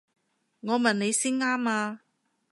我問你先啱啊！